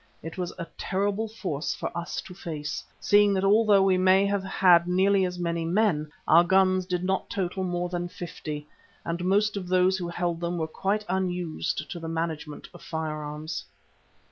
It was a terrible force for us to face, seeing that although we may have had nearly as many men, our guns did not total more than fifty, and most of those who held them were quite unused to the management of firearms.